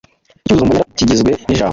Icyuzuzo mbonera kigizwe n’ijambo